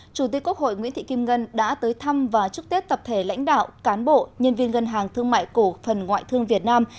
chủ tịch quốc hội nguyễn thị kim ngân đã tới thăm và chúc tết tập thể lãnh đạo cán bộ nhân viên ngân hàng thương mại cổ phần ngoại thương việt nam